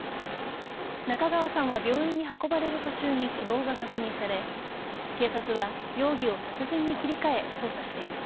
中川さんは病院に運ばれる途中に死亡が確認され警察は容疑を殺人に切り替え捜査しています。